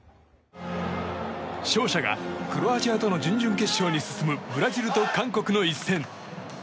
勝者がクロアチアとの準々決勝に進むブラジルと韓国の一戦。